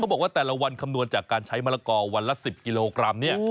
บอกว่าแต่ละวันคำนวณจากการใช้มะละกอวันละ๑๐กิโลกรัมเนี่ย